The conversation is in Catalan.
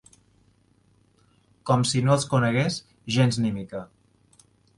Com si no els conegués gens ni mica.